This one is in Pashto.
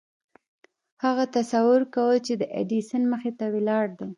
هغه تصور کاوه چې د ايډېسن مخې ته ولاړ دی.